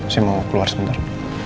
saya mau keluar sebentar